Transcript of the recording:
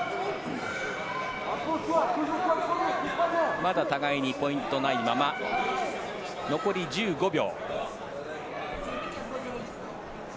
まだ互いにポイントがないまま残り１５秒。